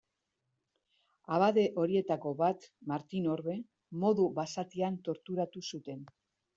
Abade horietako bat, Martin Orbe, modu basatian torturatu zuten.